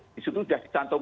disitu sudah dicantumkan